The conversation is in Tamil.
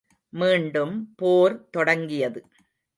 மீண்டும் போர் தொடங்கியது.